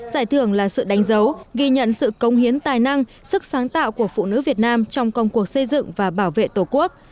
giải thưởng là sự đánh dấu ghi nhận sự công hiến tài năng sức sáng tạo của phụ nữ việt nam trong công cuộc xây dựng và bảo vệ tổ quốc